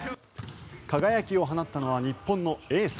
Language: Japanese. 輝きを放ったのは日本のエース。